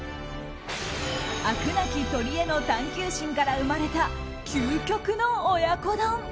飽くなき鶏への探求心から生まれた究極の親子丼。